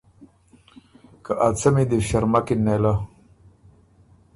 که ا څمی دی بو ݭرمکِن نېله۔